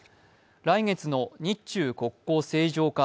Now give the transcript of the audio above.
来月の日中国交正常化